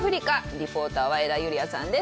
リポーターは江田友莉亜さんです。